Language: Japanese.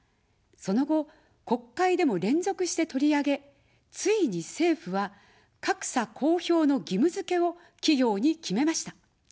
その後、国会でも連続して取り上げ、ついに政府は格差公表の義務づけを企業に決めました。